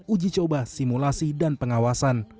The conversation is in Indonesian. uji coba simulasi dan pengawasan